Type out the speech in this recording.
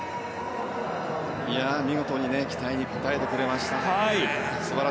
見事に期待に応えてくれましたね。